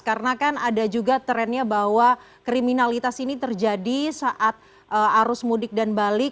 karena kan ada juga trennya bahwa kriminalitas ini terjadi saat arus mudik dan balik